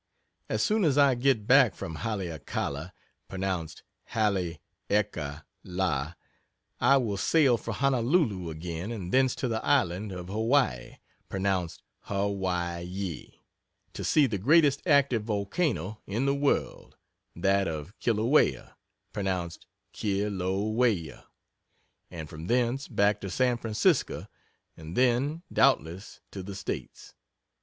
As soon as I get back from Haleakala (pronounced Hally ekka lah) I will sail for Honolulu again and thence to the Island of Hawaii (pronounced Hah wy ye,) to see the greatest active volcano in the world that of Kilauea (pronounced Kee low way ah) and from thence back to San Francisco and then, doubtless, to the States.